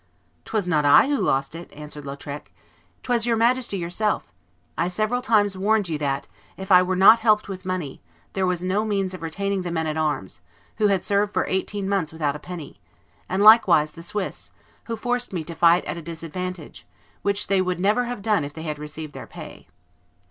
"'Twas not I who lost it," answered Lautrec; "'twas your Majesty yourself: I several times warned you that, if I were not helped with money, there was no means of retaining the men at arms, who had served for eighteen months without a penny, and likewise the Swiss, who forced me to fight at a disadvantage, which they would never have done if they had received their pay."